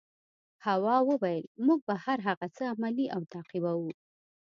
هوا وویل موږ به هر هغه څه عملي او تعقیبوو.